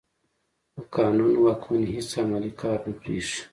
د قانون واکمني هېڅ عملي کار نه برېښي.